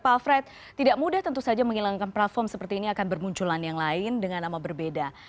pak alfred tidak mudah tentu saja menghilangkan platform seperti ini akan bermunculan yang lain dengan nama berbeda